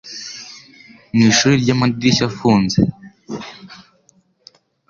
mu ishuri ry'amadirishya afunze